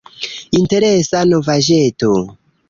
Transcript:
Interesa novaĵeto.